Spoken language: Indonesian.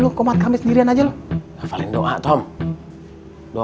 tengok mai ibu increasing the tabscale nk pake di programa nomor berikut